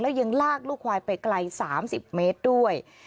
ยังลากลูกควายไปไกล๓๐เมตรด้วย